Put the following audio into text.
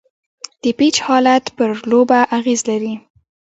د پيچ حالت پر لوبه اغېز لري.